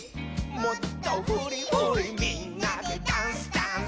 「もっとフリフリみんなでダンスダンス！」